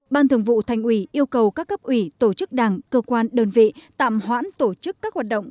ban thường vụ thành ủy yêu cầu các cấp ủy tổ chức đảng cơ quan đơn vị tạm hoãn tổ chức các hoạt động